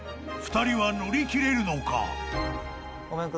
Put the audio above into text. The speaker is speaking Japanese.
２人は乗り切れるのか］